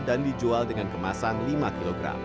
dan dijual dengan kemasan lima kg